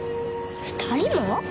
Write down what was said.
２人も？